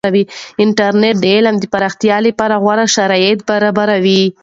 انټرنیټ د علم د پراختیا لپاره غوره شرایط برابروي.